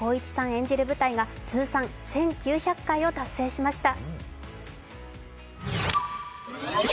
演じる舞台が通算１９００回を達成しました。